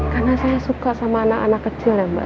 karena saya suka sama anak anak kecil ya mbak